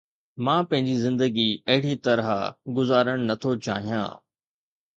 مان پنهنجي زندگي اهڙي طرح گذارڻ نٿو چاهيان.